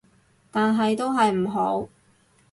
但係都係唔好